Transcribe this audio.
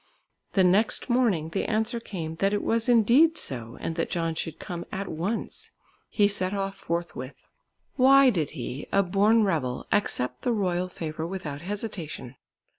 The next morning the answer came that it was indeed so and that John should come at once. He set off forthwith. Why did he, a born rebel, accept the royal favour without hesitation?